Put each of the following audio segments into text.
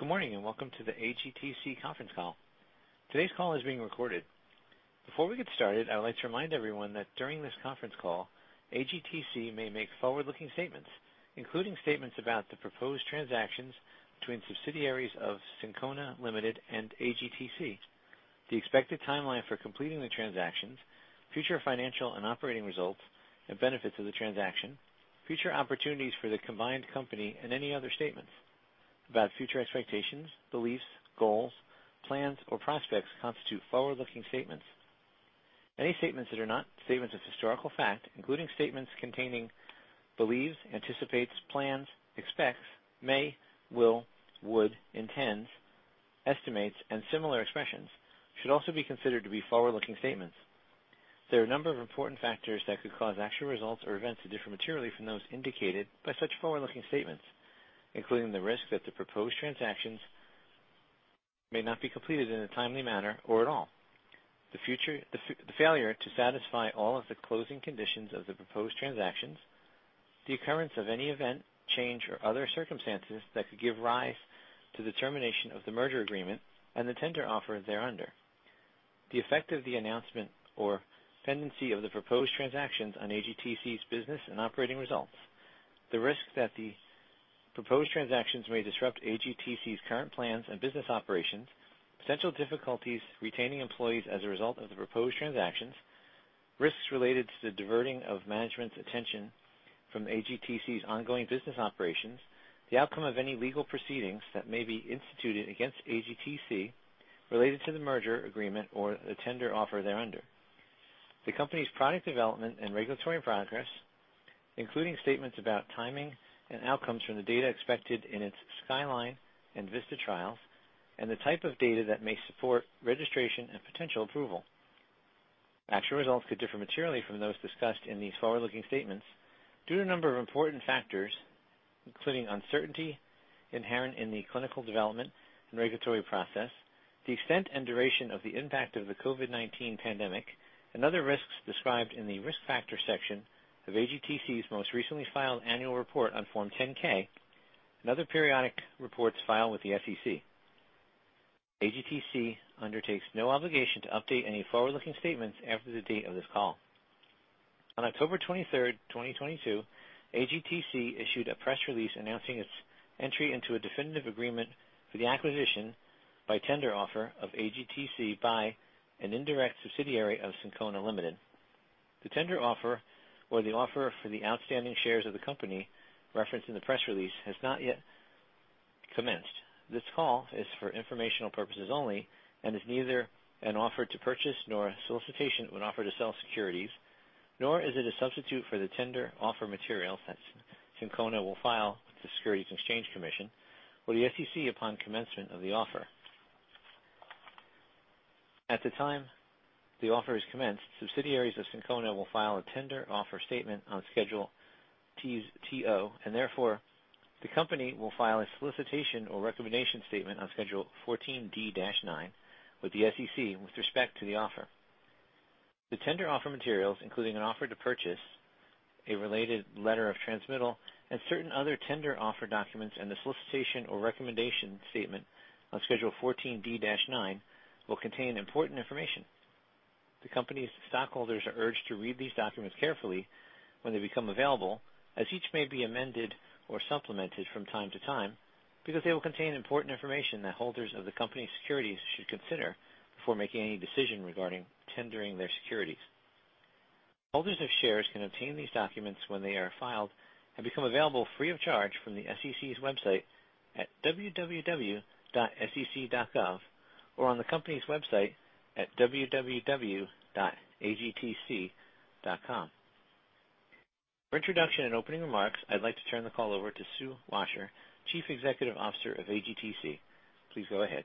Good morning, and welcome to the AGTC Conference Call. Today's call is being recorded. Before we get started, I would like to remind everyone that during this conference call, AGTC may make forward-looking statements, including statements about the proposed transactions between subsidiaries of Syncona Limited and AGTC, the expected timeline for completing the transactions, future financial and operating results and benefits of the transaction, future opportunities for the combined company and any other statements about future expectations, beliefs, goals, plans, or prospects constitute forward-looking statements. Any statements that are not statements of historical fact, including statements containing believes, anticipates, plans, expects, may, will, would, intends, estimates, and similar expressions, should also be considered to be forward-looking statements. There are a number of important factors that could cause actual results or events to differ materially from those indicated by such forward-looking statements, including the risk that the proposed transactions may not be completed in a timely manner or at all, the failure to satisfy all of the closing conditions of the proposed transactions, the occurrence of any event, change, or other circumstances that could give rise to the termination of the merger agreement and the tender offer thereunder, the effect of the announcement or pendency of the proposed transactions on AGTC's business and operating results. The risk that the proposed transactions may disrupt AGTC's current plans and business operations, potential difficulties retaining employees as a result of the proposed transactions, risks related to the diverting of management's attention from AGTC's ongoing business operations, the outcome of any legal proceedings that may be instituted against AGTC related to the merger agreement or the tender offer thereunder. The company's product development and regulatory progress, including statements about timing and outcomes from the data expected in its SKYLINE and VISTA trials, and the type of data that may support registration and potential approval. Actual results could differ materially from those discussed in these forward-looking statements due to a number of important factors, including uncertainty inherent in the clinical development and regulatory process, the extent and duration of the impact of the COVID-19 pandemic, and other risks described in the Risk Factors section of AGTC's most recently filed annual report on Form 10-K and other periodic reports filed with the SEC. AGTC undertakes no obligation to update any forward-looking statements after the date of this call. On October 23, 2022, AGTC issued a press release announcing its entry into a definitive agreement for the acquisition by tender offer of AGTC by an indirect subsidiary of Syncona Limited. The tender offer or the offer for the outstanding shares of the company referenced in the press release has not yet commenced. This call is for informational purposes only and is neither an offer to purchase nor a solicitation to an offer to sell securities, nor is it a substitute for the tender offer material that Syncona will file with the Securities and Exchange Commission or the SEC upon commencement of the offer. At the time the offer is commenced, subsidiaries of Syncona will file a Tender Offer Statement on Schedule TO, and therefore, the company will file a Solicitation or Recommendation Statement on Schedule 14D-9 with the SEC with respect to the offer. The tender offer materials, including an offer to purchase, a related letter of transmittal, and certain other tender offer documents, and the Solicitation or Recommendation Statement on Schedule 14D-9 will contain important information. The company's stockholders are urged to read these documents carefully when they become available, as each may be amended or supplemented from time to time, because they will contain important information that holders of the company's securities should consider before making any decision regarding tendering their securities. Holders of shares can obtain these documents when they are filed and become available free of charge from the SEC's website at www.sec.gov or on the company's website at www.AGTC.com. For introduction and opening remarks, I'd like to turn the call over to Sue Washer, Chief Executive Officer of AGTC. Please go ahead.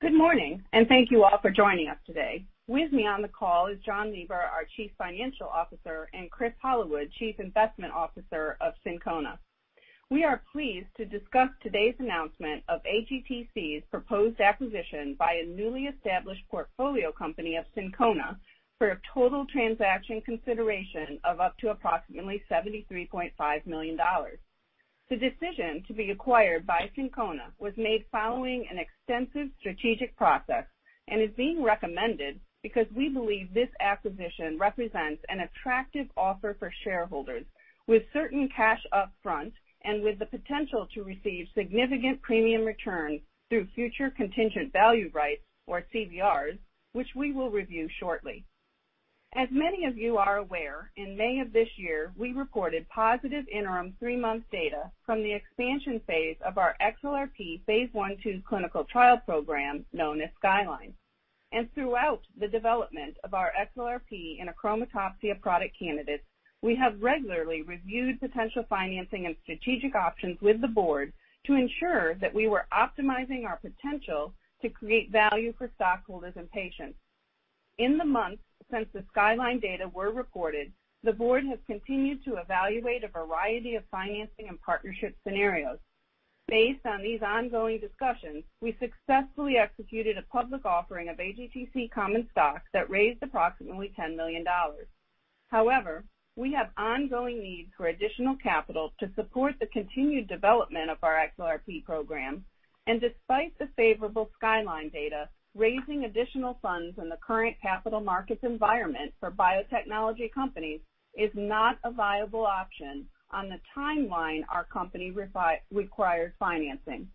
Good morning, and thank you all for joining us today. With me on the call is John Bradshaw, our Chief Financial Officer, and Chris Hollowood, Chief Investment Officer of Syncona. We are pleased to discuss today's announcement of AGTC's proposed acquisition by a newly established portfolio company of Syncona for a total transaction consideration of up to approximately $73.5 million. The decision to be acquired by Syncona was made following an extensive strategic process and is being recommended because we believe this acquisition represents an attractive offer for shareholders with certain cash up front and with the potential to receive significant premium returns through future contingent value rights, or CVRs, which we will review shortly. As many of you are aware, in May of this year, we reported positive interim three-month data from the expansion phase of our XLRP phase I/II clinical trial program known as SKYLINE. Throughout the development of our XLRP and achromatopsia product candidates, we have regularly reviewed potential financing and strategic options with the board to ensure that we were optimizing our potential to create value for stockholders and patients. In the months since the SKYLINE data were reported, the board has continued to evaluate a variety of financing and partnership scenarios. Based on these ongoing discussions, we successfully executed a public offering of AGTC common stock that raised approximately $10 million. However, we have ongoing needs for additional capital to support the continued development of our XLRP program. Despite the favorable SKYLINE data, raising additional funds in the current capital markets environment for biotechnology companies is not a viable option on the timeline our company required financing.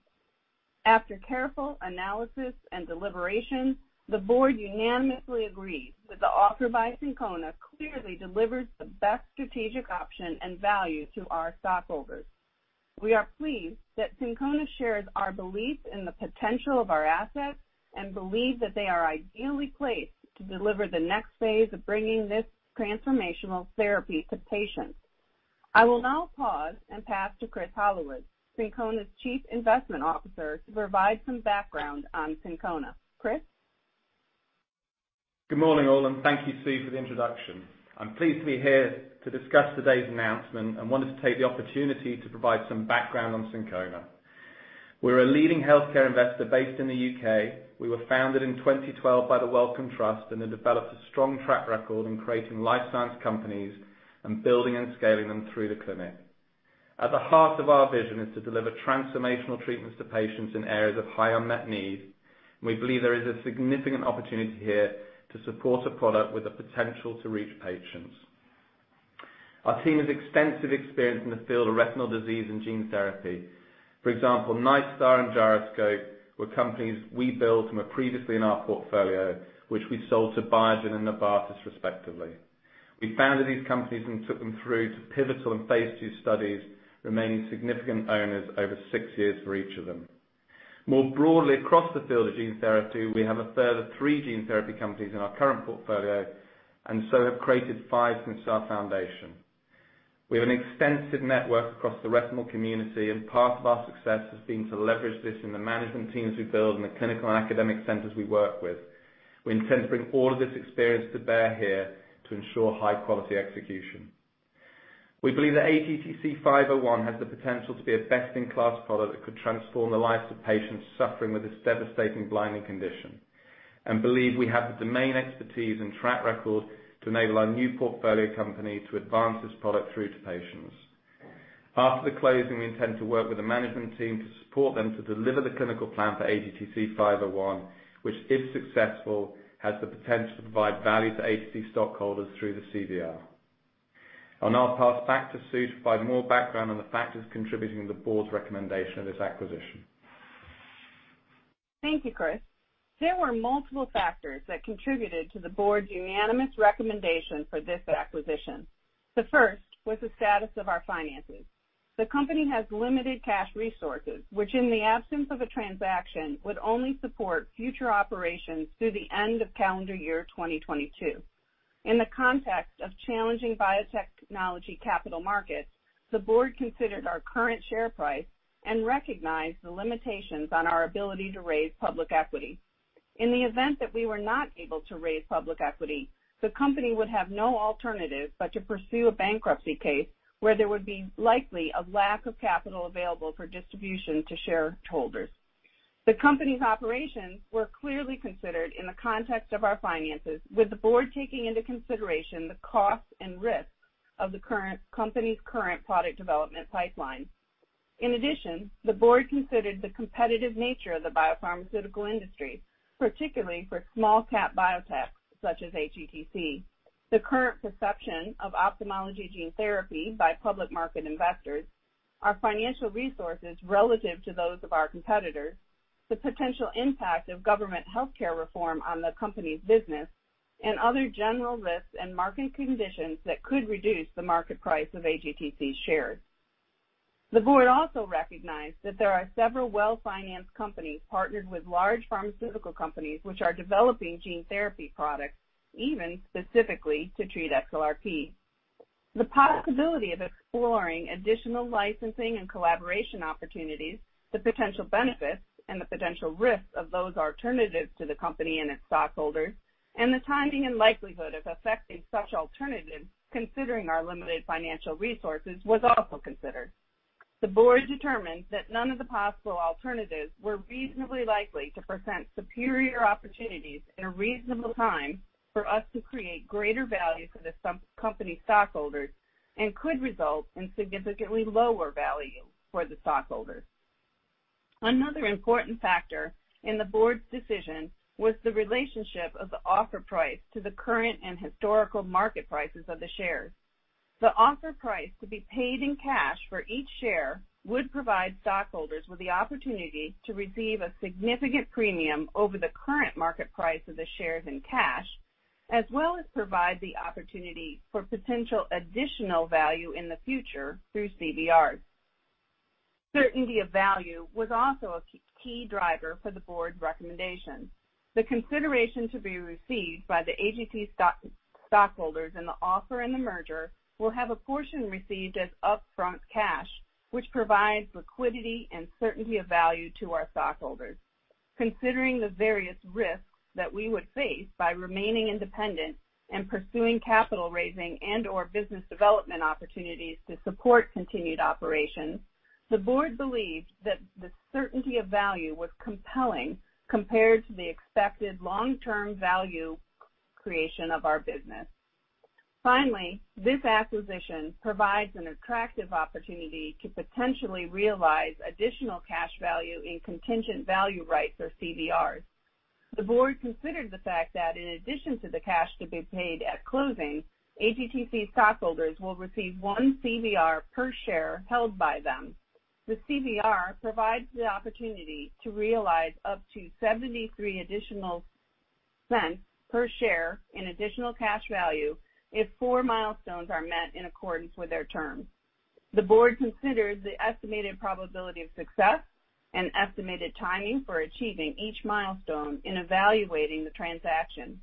After careful analysis and deliberation, the board unanimously agreed that the offer by Syncona clearly delivers the best strategic option and value to our stockholders. We are pleased that Syncona shares our belief in the potential of our assets and believe that they are ideally placed to deliver the next phase of bringing this transformational therapy to patients. I will now pause and pass to Chris Hollowood, Syncona's Chief Investment Officer, to provide some background on Syncona. Chris. Good morning, all, and thank you, Sue, for the introduction. I'm pleased to be here to discuss today's announcement and wanted to take the opportunity to provide some background on Syncona. We're a leading healthcare investor based in the U.K. We were founded in 2012 by the Wellcome Trust and have developed a strong track record in creating life science companies and building and scaling them through the clinic. At the heart of our vision is to deliver transformational treatments to patients in areas of high unmet need, and we believe there is a significant opportunity here to support a product with the potential to reach patients. Our team has extensive experience in the field of retinal disease and gene therapy. For example, Nightstar and Gyroscope were companies we built and were previously in our portfolio, which we sold to Biogen and Novartis, respectively. We founded these companies and took them through to pivotal and phase two studies, remaining significant owners over six years for each of them. More broadly, across the field of gene therapy, we have a further three gene therapy companies in our current portfolio and so have created five since our foundation. We have an extensive network across the retinal community, and part of our success has been to leverage this in the management teams we build and the clinical and academic centers we work with. We intend to bring all of this experience to bear here to ensure high-quality execution. We believe that AGTC-501 has the potential to be a best-in-class product that could transform the lives of patients suffering with this devastating blinding condition. Believe we have the domain expertise and track record to enable our new portfolio company to advance this product through to patients. After the closing, we intend to work with the management team to support them to deliver the clinical plan for AGTC-501, which, if successful, has the potential to provide value to AGTC stockholders through the CVR. I'll now pass back to Sue to provide more background on the factors contributing to the board's recommendation of this acquisition. Thank you, Chris. There were multiple factors that contributed to the board's unanimous recommendation for this acquisition. The first was the status of our finances. The company has limited cash resources, which, in the absence of a transaction, would only support future operations through the end of calendar year 2022. In the context of challenging biotechnology capital markets, the board considered our current share price and recognized the limitations on our ability to raise public equity. In the event that we were not able to raise public equity, the company would have no alternative but to pursue a bankruptcy case where there would be likely a lack of capital available for distribution to shareholders. The company's operations were clearly considered in the context of our finances, with the board taking into consideration the costs and risks of the company's current product development pipeline. In addition, the board considered the competitive nature of the biopharmaceutical industry, particularly for small-cap biotechs such as AGTC, the current perception of ophthalmology gene therapy by public market investors, our financial resources relative to those of our competitors, the potential impact of government healthcare reform on the company's business, and other general risks and market conditions that could reduce the market price of AGTC shares. The board also recognized that there are several well-financed companies partnered with large pharmaceutical companies which are developing gene therapy products, even specifically to treat XLRP. The possibility of exploring additional licensing and collaboration opportunities, the potential benefits and the potential risks of those alternatives to the company and its stockholders, and the timing and likelihood of effecting such alternatives, considering our limited financial resources, was also considered. The board determined that none of the possible alternatives were reasonably likely to present superior opportunities in a reasonable time for us to create greater value for the subject company stockholders and could result in significantly lower value for the stockholders. Another important factor in the board's decision was the relationship of the offer price to the current and historical market prices of the shares. The offer price to be paid in cash for each share would provide stockholders with the opportunity to receive a significant premium over the current market price of the shares in cash, as well as provide the opportunity for potential additional value in the future through CVRs. Certainty of value was also a key driver for the board's recommendation. The consideration to be received by the AGTC stockholders in the offer and the merger will have a portion received as upfront cash, which provides liquidity and certainty of value to our stockholders. Considering the various risks that we would face by remaining independent and pursuing capital raising and or business development opportunities to support continued operations. The board believes that the certainty of value was compelling compared to the expected long-term value creation of our business. Finally, this acquisition provides an attractive opportunity to potentially realize additional cash value in contingent value rights or CVRs. The board considered the fact that in addition to the cash to be paid at closing, AGTC stockholders will receive one CVR per share held by them. The CVR provides the opportunity to realize up to $0.73 additional per share in additional cash value if four milestones are met in accordance with their terms. The board considers the estimated probability of success and estimated timing for achieving each milestone in evaluating the transaction.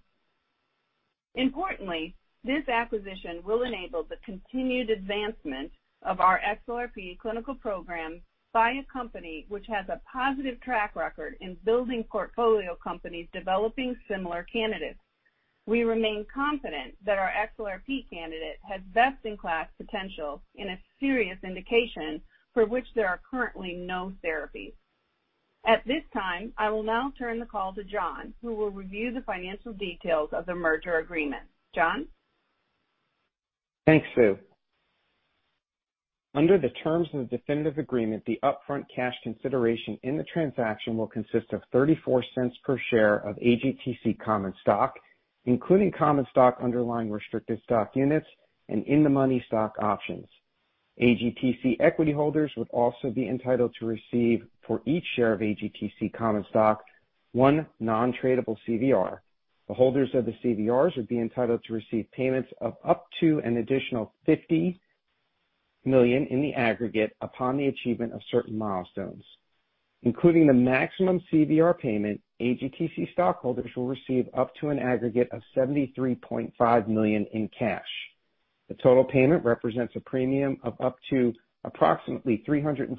Importantly, this acquisition will enable the continued advancement of our XLRP clinical program by a company which has a positive track record in building portfolio companies developing similar candidates. We remain confident that our XLRP candidate has best-in-class potential in a serious indication for which there are currently no therapies. At this time, I will now turn the call to John, who will review the financial details of the merger agreement. John? Thanks, Sue. Under the terms of the definitive agreement, the upfront cash consideration in the transaction will consist of $0.34 per share of AGTC common stock, including common stock underlying restricted stock units and in-the-money stock options. AGTC equity holders would also be entitled to receive, for each share of AGTC common stock, one non-tradable CVR. The holders of the CVRs would be entitled to receive payments of up to an additional $50 million in the aggregate upon the achievement of certain milestones. Including the maximum CVR payment, AGTC stockholders will receive up to an aggregate of $73.5 million in cash. The total payment represents a premium of up to approximately 344%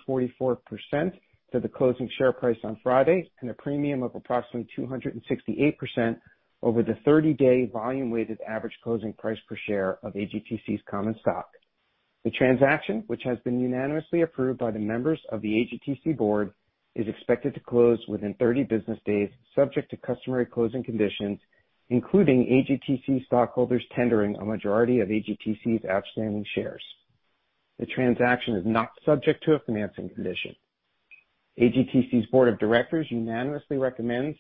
to the closing share price on Friday and a premium of approximately 268% over the 30-day volume-weighted average closing price per share of AGTC's common stock. The transaction, which has been unanimously approved by the members of the AGTC board, is expected to close within 30 business days, subject to customary closing conditions, including AGTC stockholders tendering a majority of AGTC's outstanding shares. The transaction is not subject to a financing condition. AGTC's board of directors unanimously recommends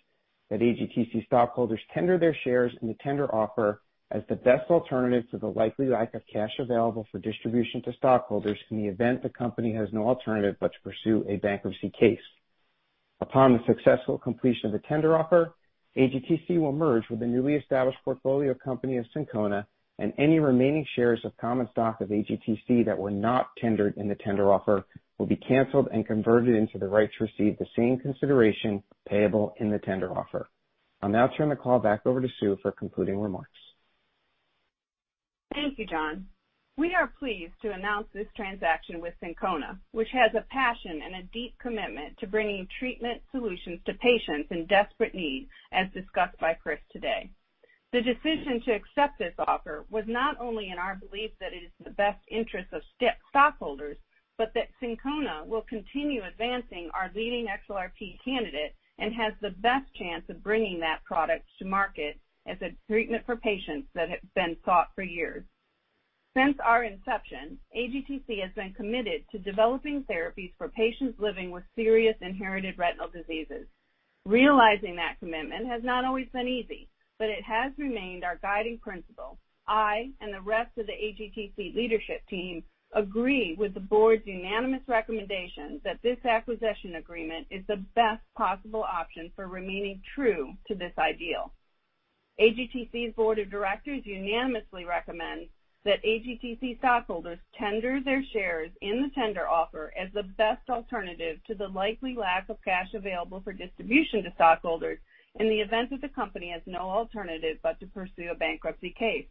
that AGTC stockholders tender their shares in the tender offer as the best alternative to the likely lack of cash available for distribution to stockholders in the event the company has no alternative but to pursue a bankruptcy case. Upon the successful completion of the tender offer, AGTC will merge with the newly established portfolio company of Syncona, and any remaining shares of common stock of AGTC that were not tendered in the tender offer will be canceled and converted into the right to receive the same consideration payable in the tender offer. I'll now turn the call back over to Sue for concluding remarks. Thank you, John. We are pleased to announce this transaction with Syncona, which has a passion and a deep commitment to bringing treatment solutions to patients in desperate need, as discussed by Chris today. The decision to accept this offer was not only in our belief that it is in the best interest of AGTC stockholders, but that Syncona will continue advancing our leading XLRP candidate and has the best chance of bringing that product to market as a treatment for patients that has been sought for years. Since our inception, AGTC has been committed to developing therapies for patients living with serious inherited retinal diseases. Realizing that commitment has not always been easy, but it has remained our guiding principle. I and the rest of the AGTC leadership team agree with the board's unanimous recommendation that this acquisition agreement is the best possible option for remaining true to this ideal. AGTC's board of directors unanimously recommends that AGTC stockholders tender their shares in the tender offer as the best alternative to the likely lack of cash available for distribution to stockholders in the event that the company has no alternative but to pursue a bankruptcy case.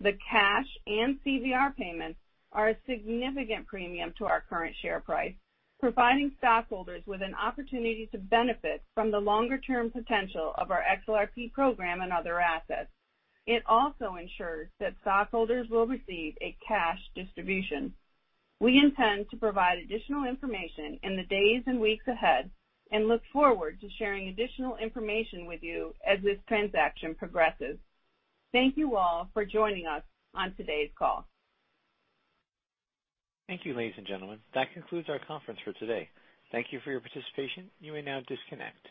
The cash and CVR payments are a significant premium to our current share price, providing stockholders with an opportunity to benefit from the longer-term potential of our XLRP program and other assets. It also ensures that stockholders will receive a cash distribution. We intend to provide additional information in the days and weeks ahead and look forward to sharing additional information with you as this transaction progresses. Thank you all for joining us on today's call. Thank you, ladies and gentlemen. That concludes our conference for today. Thank you for your participation. You may now disconnect.